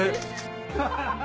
ハハハハ！